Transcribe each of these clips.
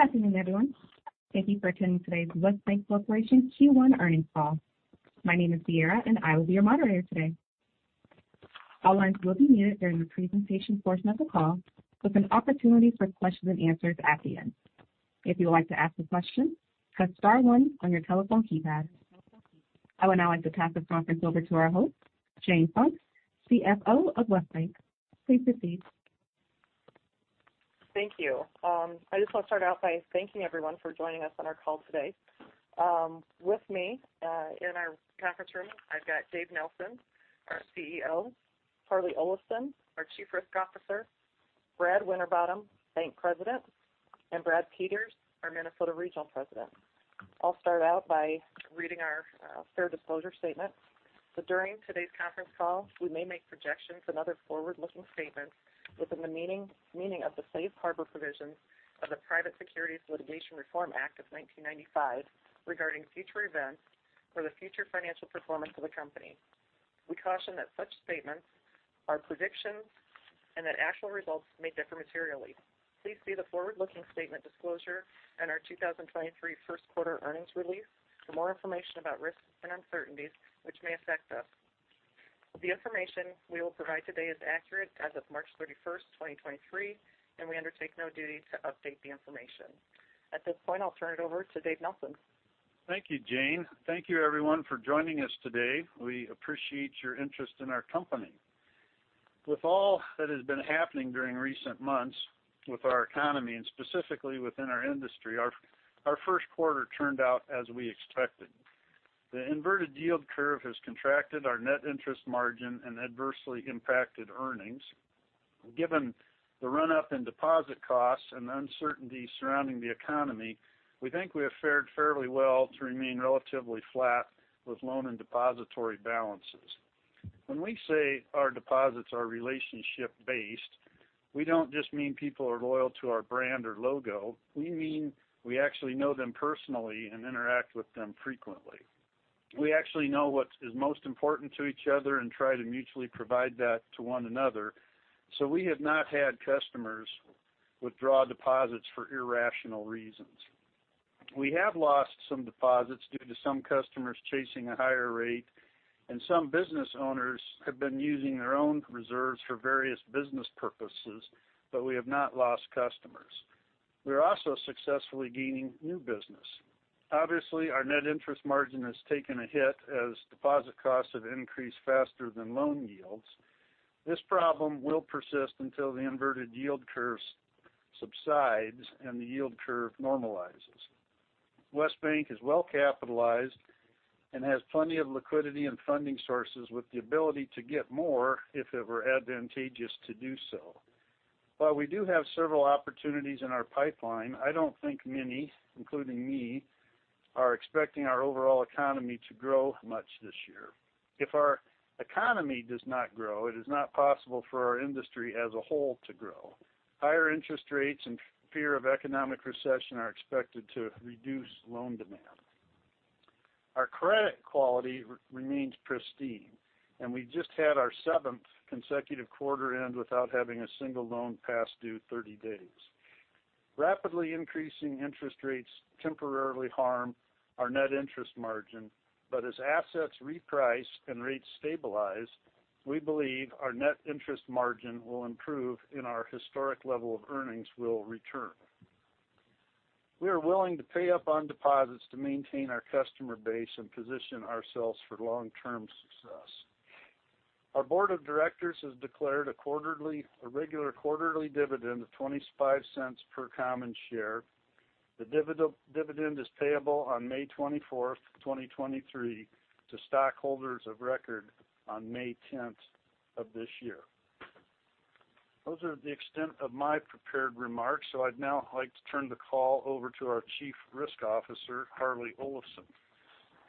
Good afternoon, everyone. Thank you for attending today's West Bancorporation Q1 Earnings Call. My name is Sierra, and I will be your moderator today. All lines will be muted during the presentation portion of the call, with an opportunity for questions and answers at the end. If you would like to ask a question, press star one on your telephone keypad. I would now like to pass the conference over to our host, Jane Funk, CFO of West Bank. Please proceed. Thank you. I just want to start out by thanking everyone for joining us on our call today. With me in our conference room, I've got Dave Nelson, our CEO; Harlee Olafson, our Chief Risk Officer; Brad Winterbottom, Bank President; and Brad Peters, our Minnesota Regional President. I'll start out by reading our fair disclosure statement. During today's conference call, we may make projections and other forward-looking statements within the meaning of the Safe Harbor provisions of the Private Securities Litigation Reform Act of 1995 regarding future events or the future financial performance of the company. We caution that such statements are predictions and that actual results may differ materially. Please see the forward-looking statement disclosure in our 2023 first quarter earnings release for more information about risks and uncertainties which may affect us. The information we will provide today is accurate as of March 31st, 2023, and we undertake no duty to update the information. At this point, I'll turn it over to Dave Nelson. Thank you, Jane. Thank you everyone for joining us today. We appreciate your interest in our company. With all that has been happening during recent months with our economy and specifically within our industry, our first quarter turned out as we expected. The inverted yield curve has contracted our net interest margin and adversely impacted earnings. Given the run-up in deposit costs and the uncertainty surrounding the economy, we think we have fared fairly well to remain relatively flat with loan and depository balances. When we say our deposits are relationship-based, we don't just mean people are loyal to our brand or logo. We mean we actually know them personally and interact with them frequently. We actually know what is most important to each other and try to mutually provide that to one another, we have not had customers withdraw deposits for irrational reasons. We have lost some deposits due to some customers chasing a higher rate, and some business owners have been using their own reserves for various business purposes, but we have not lost customers. We are also successfully gaining new business. Obviously, our net interest margin has taken a hit as deposit costs have increased faster than loan yields. This problem will persist until the inverted yield curve subsides and the yield curve normalizes. West Bank is well capitalized and has plenty of liquidity and funding sources with the ability to get more if it were advantageous to do so. While we do have several opportunities in our pipeline, I don't think many, including me, are expecting our overall economy to grow much this year. If our economy does not grow, it is not possible for our industry as a whole to grow. Higher interest rates and fear of economic recession are expected to reduce loan demand. Our credit quality remains pristine. We just had our seventh consecutive quarter end without having a single loan past due 30 days. Rapidly increasing interest rates temporarily harm our net interest margin, but as assets reprice and rates stabilize, we believe our net interest margin will improve and our historic level of earnings will return. We are willing to pay up on deposits to maintain our customer base and position ourselves for long-term success. Our board of directors has declared a regular quarterly dividend of $0.25 per common share. The dividend is payable on May 24, 2023 to stockholders of record on May 10 of this year. Those are the extent of my prepared remarks. I'd now like to turn the call over to our Chief Risk Officer, Harlee Olafson.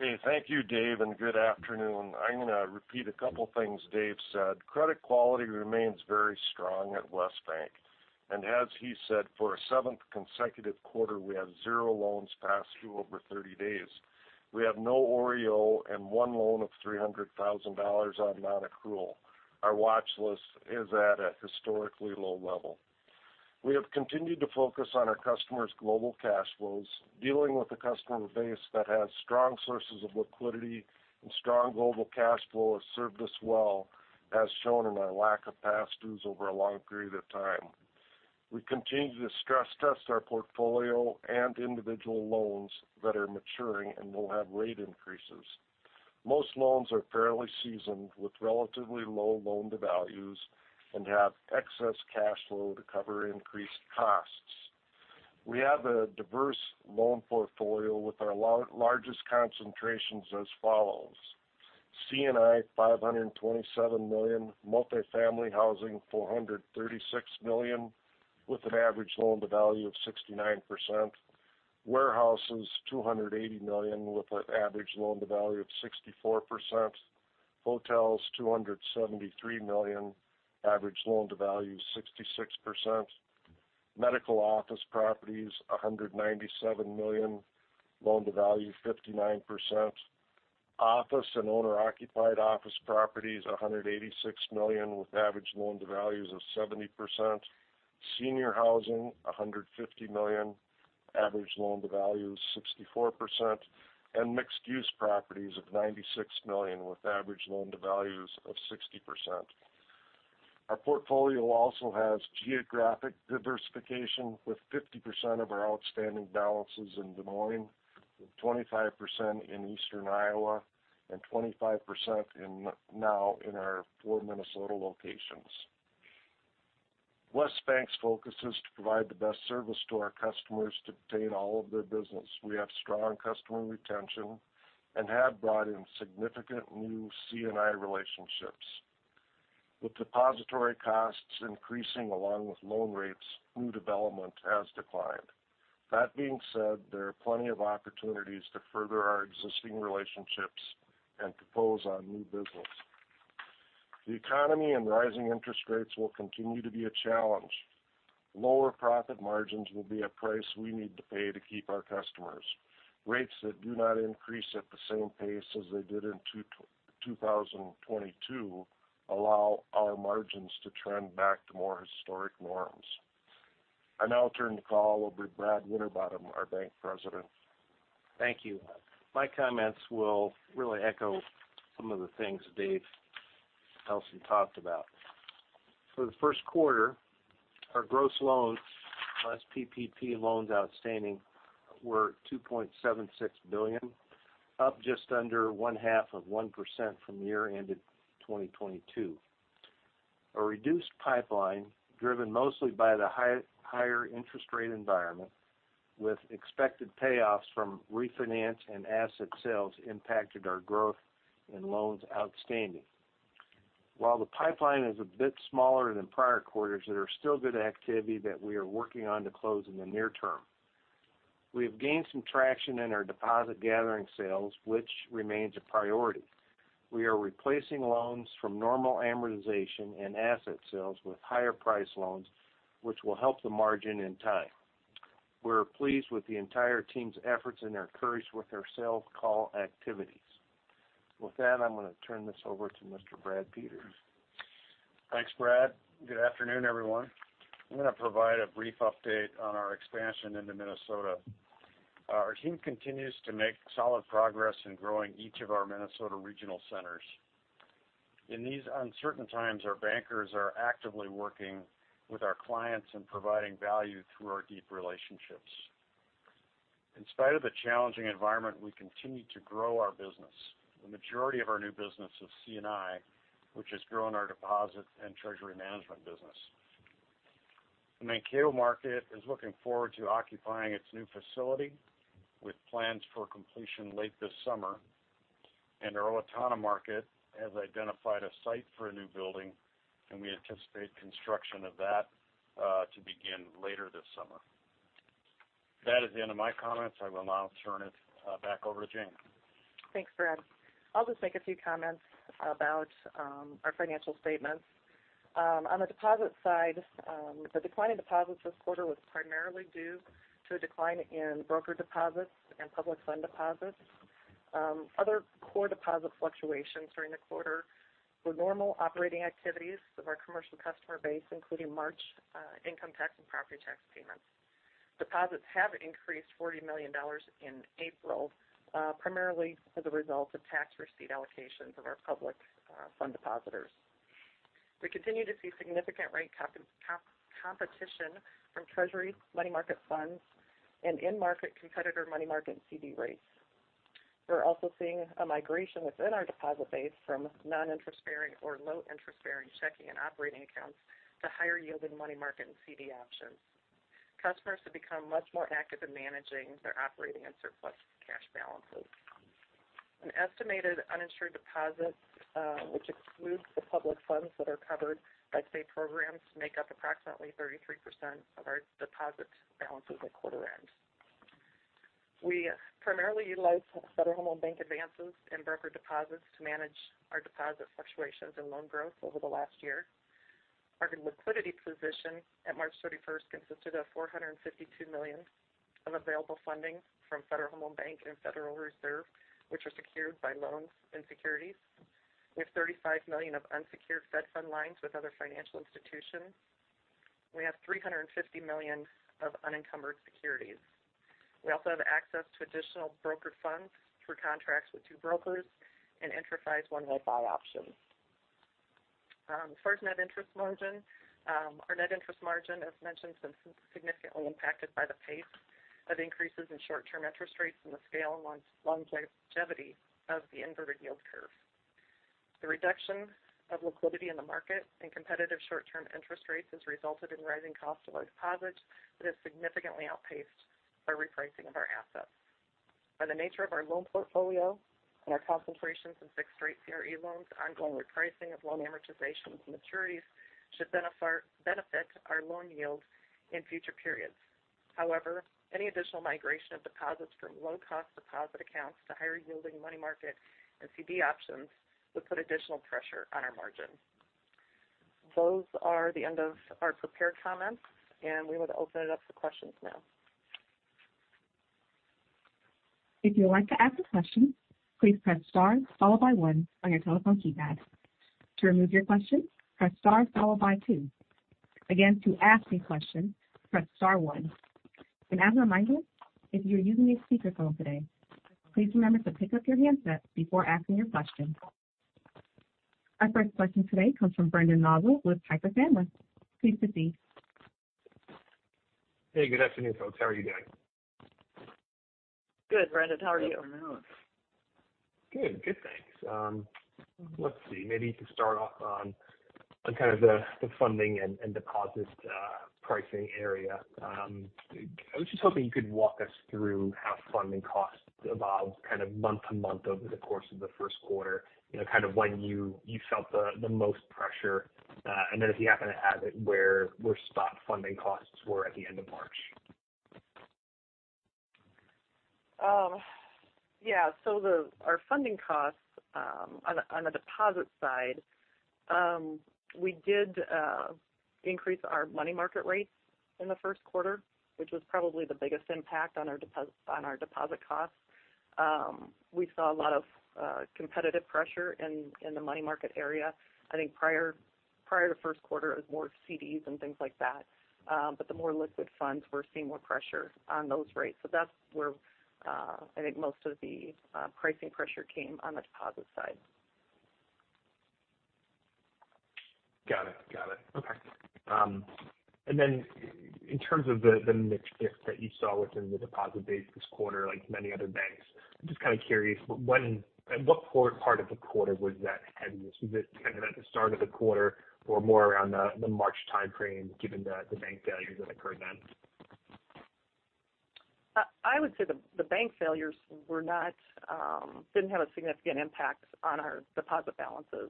Hey. Thank you, Dave. Good afternoon. I'm gonna repeat a couple things Dave said. Credit quality remains very strong at West Bank. As he said, for a seventh consecutive quarter, we have zero loans past due over 30 days. We have no OREO and one loan of $300,000 on nonaccrual. Our watch list is at a historically low level. We have continued to focus on our customers' global cash flows. Dealing with a customer base that has strong sources of liquidity and strong global cash flow has served us well, as shown in our lack of past dues over a long period of time. We continue to stress test our portfolio and individual loans that are maturing and will have rate increases. Most loans are fairly seasoned with relatively low loan-to-values and have excess cash flow to cover increased costs. We have a diverse loan portfolio with our largest concentrations as follows: C&I, $527 million, multifamily housing, $436 million, with an average loan-to-value of 69%, warehouses, $280 million, with an average loan-to-value of 64%, hotels, $273 million, average loan-to-value 66%, medical office properties, $197 million, loan-to-value 59%, office and owner-occupied office properties, $186 million with average loan-to-values of 70%. Senior housing, $150 million, average loan-to-value is 64%, and mixed-use properties of $96 million with average loan-to-values of 60%. Our portfolio also has geographic diversification with 50% of our outstanding balances in Des Moines, with 25% in Eastern Iowa, and 25% now in our four Minnesota locations. West Bank's focus is to provide the best service to our customers to obtain all of their business. We have strong customer retention and have brought in significant new C&I relationships. With depository costs increasing along with loan rates, new development has declined. There are plenty of opportunities to further our existing relationships and propose on new business. The economy and rising interest rates will continue to be a challenge. Lower profit margins will be a price we need to pay to keep our customers. Rates that do not increase at the same pace as they did in 2022 allow our margins to trend back to more historic norms. I now turn the call over to Brad Winterbottom, our Bank President. Thank you. My comments will really echo some of the things Dave Nelson talked about. For the first quarter, our gross loans, plus PPP loans outstanding, were $2.76 billion, up just under one half of 1% from year-ended 2022. A reduced pipeline, driven mostly by the higher interest rate environment with expected payoffs from refinance and asset sales impacted our growth in loans outstanding. While the pipeline is a bit smaller than prior quarters, there are still good activity that we are working on to close in the near term. We have gained some traction in our deposit gathering sales, which remains a priority. We are replacing loans from normal amortization and asset sales with higher priced loans, which will help the margin in time. We're pleased with the entire team's efforts and their courage with their sales call activities. With that, I'm gonna turn this over to Mr. Brad Peters. Thanks, Brad. Good afternoon, everyone. I'm gonna provide a brief update on our expansion into Minnesota. Our team continues to make solid progress in growing each of our Minnesota regional centers. In these uncertain times, our bankers are actively working with our clients and providing value through our deep relationships. In spite of the challenging environment, we continue to grow our business. The majority of our new business is C&I, which is growing our deposit and treasury management business. The Mankato market is looking forward to occupying its new facility with plans for completion late this summer, and our Owatonna market has identified a site for a new building, and we anticipate construction of that to begin later this summer. That is the end of my comments. I will now turn it back over to Jane. Thanks, Brad. I'll just make a few comments about our financial statements. On the deposit side, the decline in deposits this quarter was primarily due to a decline in broker deposits and public fund deposits. Other core deposit fluctuations during the quarter were normal operating activities of our commercial customer base, including March income tax and property tax payments. Deposits have increased $40 million in April, primarily as a result of tax receipt allocations of our public fund depositors. We continue to see significant rate competition from treasuries, money market funds, and in-market competitor money market and CD rates. We're also seeing a migration within our deposit base from non-interest-bearing or low interest-bearing checking and operating accounts to higher yielding money market and CD options. Customers have become much more active in managing their operating and surplus cash balances. An estimated uninsured deposits, which excludes the public funds that are covered by state programs, make up approximately 33% of our deposit balances at quarter end. We primarily utilize Federal Home Loan Bank advances and broker deposits to manage our deposit fluctuations and loan growth over the last year. Our liquidity position at March 31st consisted of $452 million of available funding from Federal Home Loan Bank and Federal Reserve, which are secured by loans and securities. We have $35 million of unsecured Fed Funds lines with other financial institutions. We have $350 million of unencumbered securities. We also have access to additional broker funds through contracts with two brokers and IntraFi One Way. As far as net interest margin, our net interest margin, as mentioned, has been significantly impacted by the pace of increases in short-term interest rates and the scale and longevity of the inverted yield curve. The reduction of liquidity in the market and competitive short-term interest rates has resulted in rising cost of deposits that has significantly outpaced our repricing of our assets. By the nature of our loan portfolio and our concentrations in fixed-rate CRE loans, ongoing repricing of loan amortizations and maturities should benefit our loan yields in future periods. However, any additional migration of deposits from low-cost deposit accounts to higher yielding money market and CD options would put additional pressure on our margin. Those are the end of our prepared comments, and we would open it up for questions now. If you'd like to ask a question, please press star followed by one on your telephone keypad. To remove your question, press star followed by two. Again, to ask a question, press star one. As a reminder, if you're using a speakerphone today, please remember to pick up your handset before asking your question. Our first question today comes from Brendan Nosal with Piper Sandler. Please proceed. Hey, good afternoon, folks. How are you doing? Good, Brendan. How are you? Very well. Good. Good, thanks. Let's see. Maybe to start off on kind of the funding and deposits, pricing area. I was just hoping you could walk us through how funding costs evolved kind of month-to-month over the course of the first quarter. You know, kind of when you felt the most pressure, and then if you happen to have it, where spot funding costs were at the end of March? Yeah. Our funding costs, on the deposit side, we did increase our money market rates in the first quarter, which was probably the biggest impact on our deposit costs. We saw a lot of competitive pressure in the money market area. I think prior to first quarter, it was more CDs and things like that. The more liquid funds, we're seeing more pressure on those rates. That's where I think most of the pricing pressure came on the deposit side. Got it. Got it. Okay. In terms of the mix shift that you saw within the deposit base this quarter, like many other banks, I'm just kind of curious at what part of the quarter was that heaviest? Was it kind of at the start of the quarter or more around the March timeframe, given the bank failures that occurred then? I would say the bank failures were not, didn't have a significant impact on our deposit balances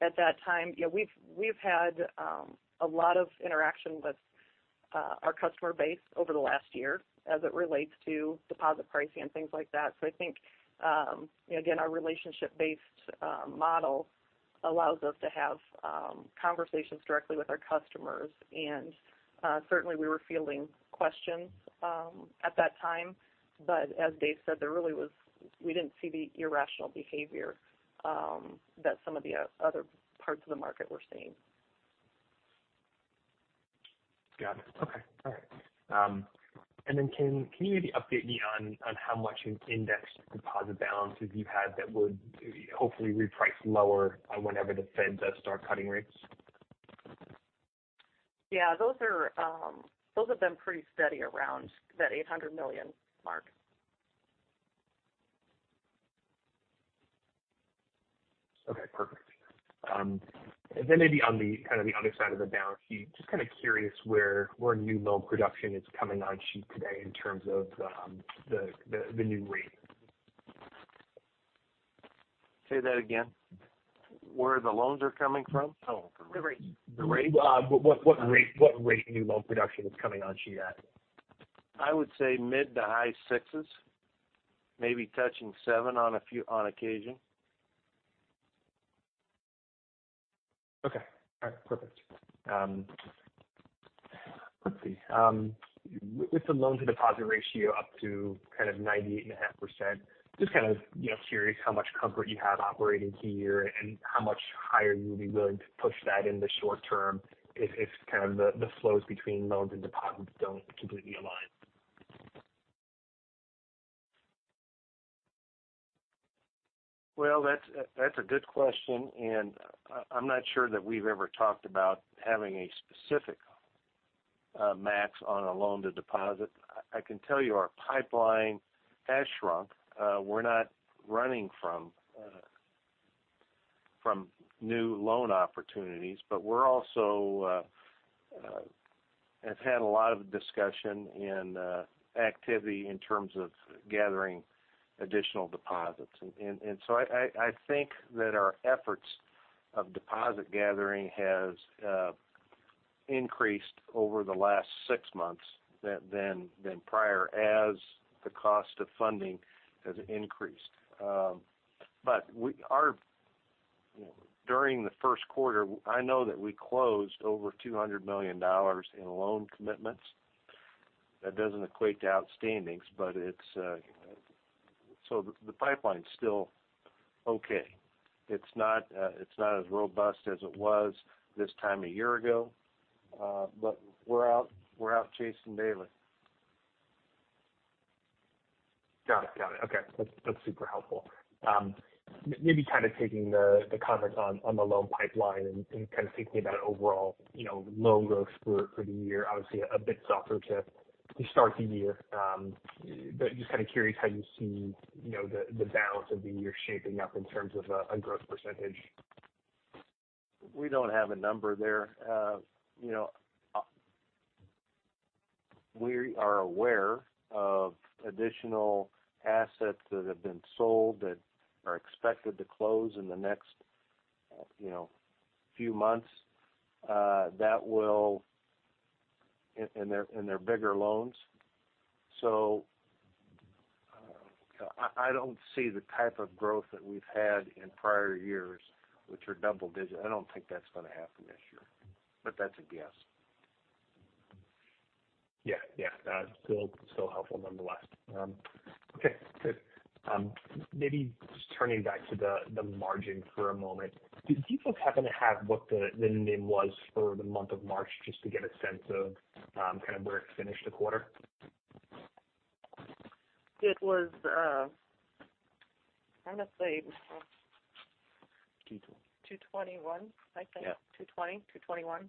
at that time. You know, we've had a lot of interaction with our customer base over the last year as it relates to deposit pricing and things like that. I think, you know, again, our relationship-based model allows us to have conversations directly with our customers. Certainly we were fielding questions at that time. As Dave said, there really was, we didn't see the irrational behavior that some of the other parts of the market were seeing. Got it. Okay. All right. Can you maybe update me on how much in indexed deposit balances you had that would hopefully reprice lower whenever the Fed does start cutting rates? Yeah. Those are, those have been pretty steady around that $800 million mark. Okay, perfect. Then maybe on the kind of the other side of the balance sheet, just kind of curious where new loan production is coming on sheet today in terms of the new rate? Say that again. Where the loans are coming from? No. The rate. The rate? What rate new loan production is coming on sheet at? I would say mid to high 6s%, maybe touching 7% on occasion. Okay. All right, perfect. Let's see. With the loan to deposit ratio up to kind of 98.5%, just kind of, you know, curious how much comfort you have operating here and how much higher you would be willing to push that in the short term if kind of the flows between loans and deposits don't completely align? Well, that's a good question, and I'm not sure that we've ever talked about having a specific max on a loan to deposit. I can tell you our pipeline has shrunk. We're not running from new loan opportunities, but we're also have had a lot of discussion and activity in terms of gathering additional deposits. I think that our efforts of deposit gathering has increased over the last six months than prior as the cost of funding has increased. Our, you know, during the first quarter, I know that we closed over $200 million in loan commitments. That doesn't equate to outstandings, but it's. The pipeline's still okay. It's not as robust as it was this time a year ago, but we're out chasing daily. Got it. Got it. Okay. That's super helpful. maybe kind of taking the comment on the loan pipeline and kind of thinking about overall, you know, loan growth for the year, obviously a bit softer to start the year. Just kind of curious how you see, you know, the balance of the year shaping up in terms of a growth percentage? We don't have a number there. You know, we are aware of additional assets that have been sold that are expected to close in the next, you know, few months. They're bigger loans. I don't see the type of growth that we've had in prior years, which are double-digit. I don't think that's gonna happen this year. That's a guess. Yeah. Yeah. Still helpful nonetheless. Okay, good. Maybe just turning back to the margin for a moment. Do you folks happen to have what the NIM was for the month of March just to get a sense of, kind of where it finished the quarter? It was, I'm gonna say... 220. 221, I think. Yeah. 220, 221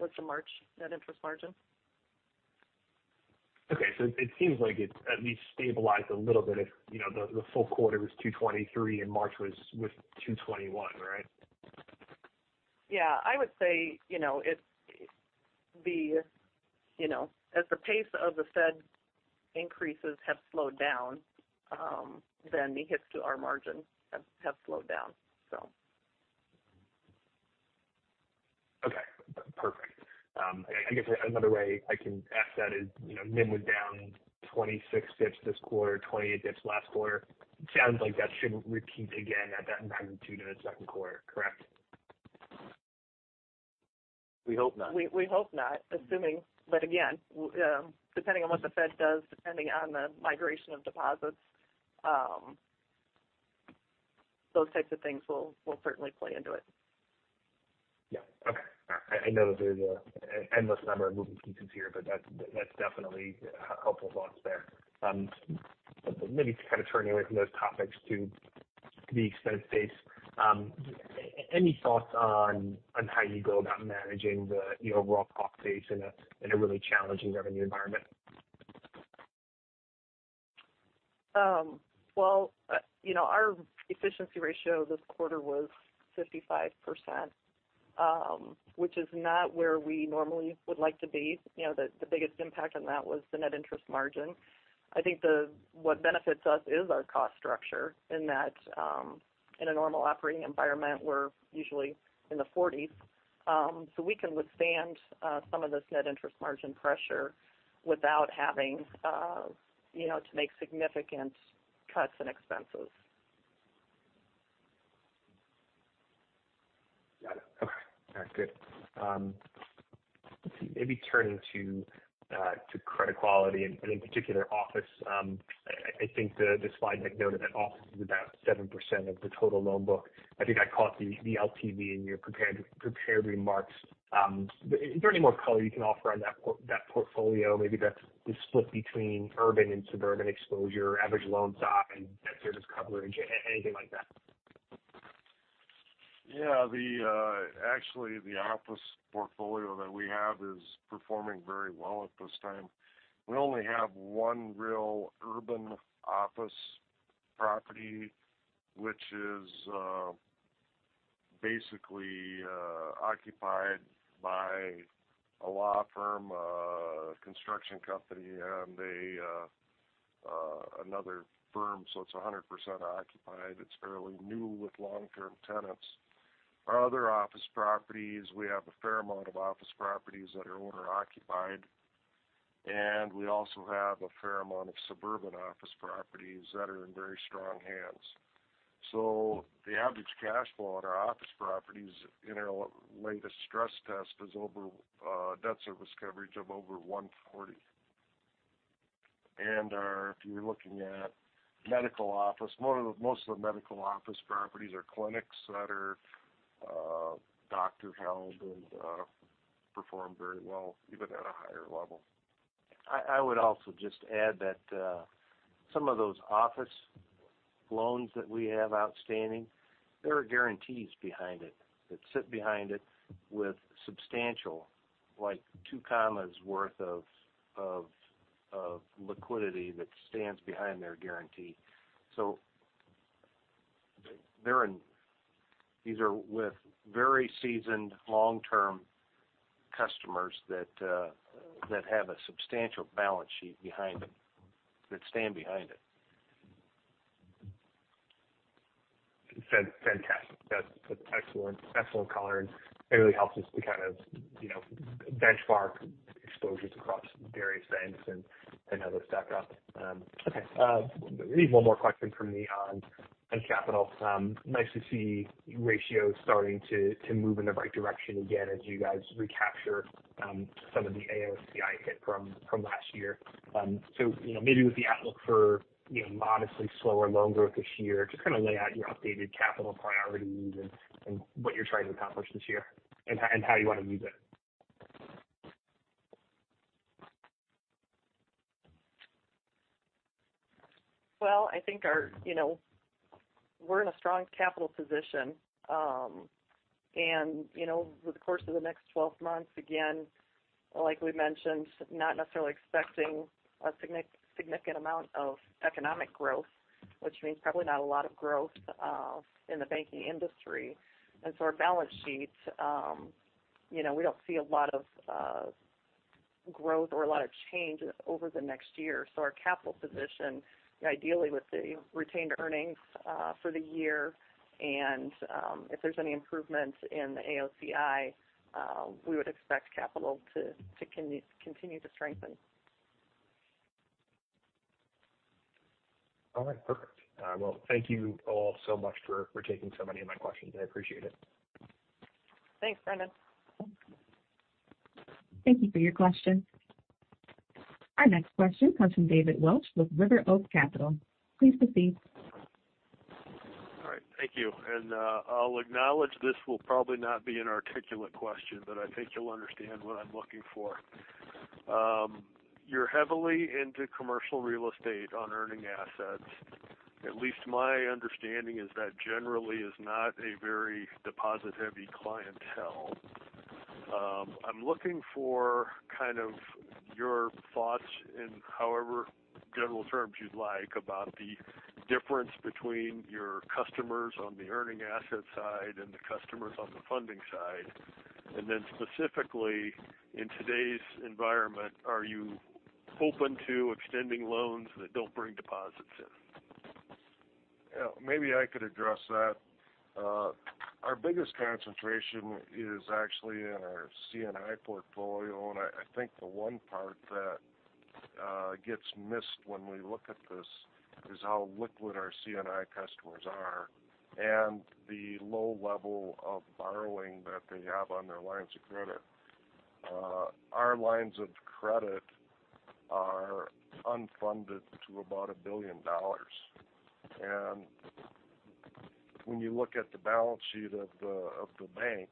was the March net interest margin. Okay. It, it seems like it's at least stabilized a little bit if, you know, the full quarter was $223 and March was with $221, right? Yeah. I would say, you know, it's the, you know, as the pace of the Fed increases have slowed down, then the hits to our margin have slowed down, so. Okay. Perfect. I guess another way I can ask that is, you know, NIM was down 26 bits this quarter, 28 bits last quarter. Sounds like that shouldn't repeat again at that magnitude in the second quarter, correct? We hope not. We hope not, assuming. Again, depending on what the Fed does, depending on the migration of deposits, those types of things will certainly play into it. Yeah. Okay. All right. I know that there's a endless number of moving pieces here, but that's definitely helpful thoughts there. Maybe kind of turning away from those topics to the expense base. Any thoughts on how you go about managing the overall cost base in a really challenging revenue environment? Well, you know, our efficiency ratio this quarter was 55%, which is not where we normally would like to be. You know, the biggest impact on that was the net interest margin. I think what benefits us is our cost structure in that, in a normal operating environment, we're usually in the 40s. We can withstand some of this net interest margin pressure without having, you know, to make significant cuts in expenses. Got it. Okay. All right. Good. Let's see. Maybe turning to credit quality and in particular office. I think the slide deck noted that office is about 7% of the total loan book. I think I caught the LTV in your prepared remarks. Is there any more color you can offer on that portfolio? Maybe that's the split between urban and suburban exposure, average loan size, debt service coverage, anything like that? Yeah. The actually, the office portfolio that we have is performing very well at this time. We only have one real urban office property, which is basically occupied by a law firm, a construction company and another firm. It's 100% occupied. It's fairly new with long-term tenants. Our other office properties, we have a fair amount of office properties that are owner-occupied, and we also have a fair amount of suburban office properties that are in very strong hands. The average cash flow on our office properties in our latest stress test is over debt service coverage of over 140. If you're looking at medical office, most of the medical office properties are clinics that are doctor-held and perform very well even at a higher level. I would also just add that some of those office loans that we have outstanding, there are guarantees behind it that sit behind it with substantial, like, two commas worth of liquidity that stands behind their guarantee. These are with very seasoned long-term customers that have a substantial balance sheet behind them that stand behind it. Fantastic. That's excellent color, and it really helps us to kind of, you know, benchmark exposures across various banks and how those stack up. Okay. Maybe one more question from me on capital. Nice to see ratios starting to move in the right direction again as you guys recapture some of the AOCI hit from last year. Maybe with the outlook for, you know, modestly slower loan growth this year, just kind of lay out your updated capital priorities and what you're trying to accomplish this year and how you want to use it. I think our -- you know, we're in a strong capital position. And, you know, over the course of the next 12 months, again, like we mentioned, not necessarily expecting a significant amount of economic growth, which means probably not a lot of growth in the banking industry. Our balance sheets, you know, we don't see a lot of growth or a lot of change over the next year. Our capital position, ideally with the retained earnings for the year, and, if there's any improvements in the AOCI, we would expect capital to continue to strengthen. All right, perfect. Well, thank you all so much for taking so many of my questions. I appreciate it. Thanks, Brendan. Thank you for your question. Our next question comes from David Welch with River Oaks Capital. Please proceed. All right, thank you. I'll acknowledge this will probably not be an articulate question, but I think you'll understand what I'm looking for. You're heavily into commercial real estate on earning assets. At least my understanding is that generally is not a very deposit-heavy clientele. I'm looking for kind of your thoughts in however general terms you'd like about the difference between your customers on the earning asset side and the customers on the funding side. Specifically in today's environment, are you open to extending loans that don't bring deposits in? Maybe I could address that. Our biggest concentration is actually in our C&I portfolio, and I think the one part that gets missed when we look at this is how liquid our C&I customers are and the low level of borrowing that they have on their lines of credit. Our lines of credit are unfunded to about $1 billion. When you look at the balance sheet of the bank,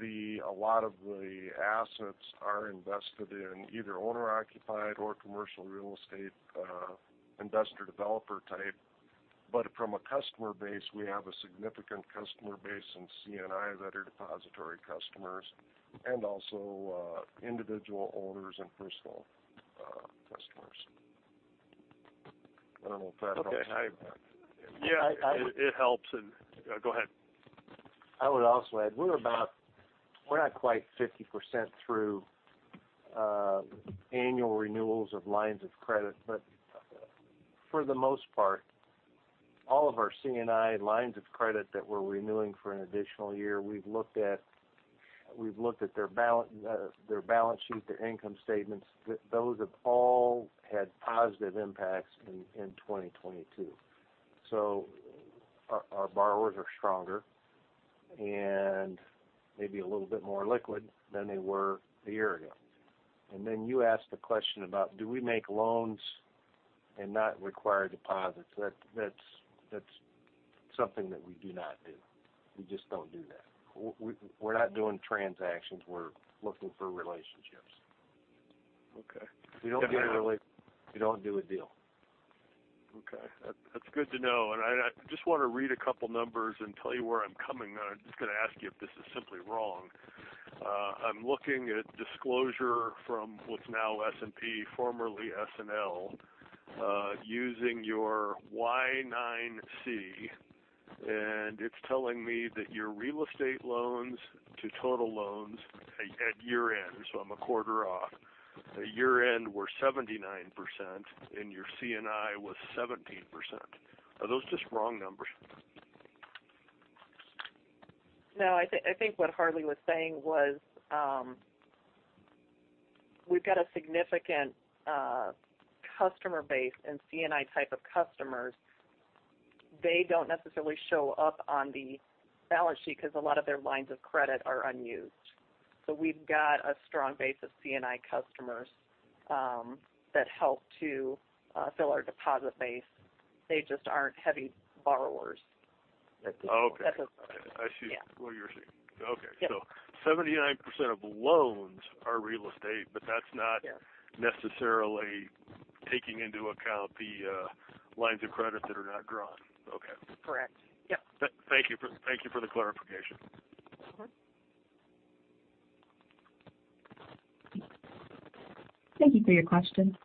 a lot of the assets are invested in either owner-occupied or commercial real estate, investor developer type. From a customer base, we have a significant customer base in C&I that are depository customers and also, individual owners and personal customers. I don't know if that helps. Okay. Yeah. It helps. Go ahead. I would also add, we're not quite 50% through annual renewals of lines of credit. For the most part, all of our C&I lines of credit that we're renewing for an additional year, we've looked at their balance sheet, their income statements. Those have all had positive impacts in 2022. Our borrowers are stronger and maybe a little bit more liquid than they were a year ago. You asked a question about do we make loans and not require deposits. That's something that we do not do. We just don't do that. We're not doing transactions. We're looking for relationships. Okay. If you don't get a relationship, you don't do a deal. Okay. That's good to know. I just wanna read a couple numbers and tell you where I'm coming on. I'm just gonna ask you if this is simply wrong. I'm looking at disclosure from what's now S&P, formerly SNL, using your FR Y-9C, and it's telling me that your real estate loans to total loans at year-end, so I'm a quarter off. At year-end were 79% and your C&I was 17%. Are those just wrong numbers? No. I think what Harlee was saying was, we've got a significant customer base in C&I type of customers. They don't necessarily show up on the balance sheet because a lot of their lines of credit are unused. We've got a strong base of C&I customers that help to fill our deposit base. They just aren't heavy borrowers. Okay. That's it. I see- Yeah. what you're saying. Okay. Yeah. 79% of loans are real estate, but that's not- Yeah. necessarily taking into account the lines of credit that are not drawn. Okay. Correct. Yep. Thank you for the clarification. Of course. Thank you for your question.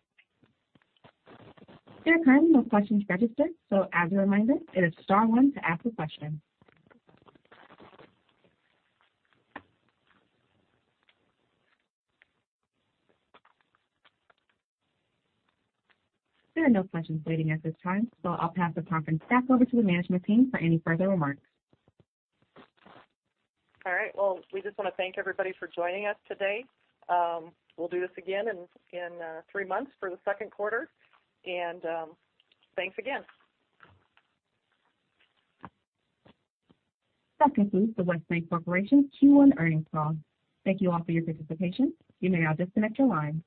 There are currently no questions registered. As a reminder, it is star one to ask a question. There are no questions waiting at this time. I'll pass the conference back over to the management team for any further remarks. All right. Well, we just wanna thank everybody for joining us today. We'll do this again in 3 months for the second quarter. Thanks again. That concludes the West Bancorporation Q1 earnings call. Thank you all for your participation. You may now disconnect your line.